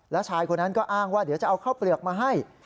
แล้วชายคนนั้นก็อ้างว่าเดี๋ยวจะเอาข้าวเปลือกมาให้